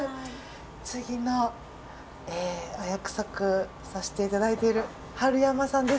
次のお約束させていただいている春山さんですか？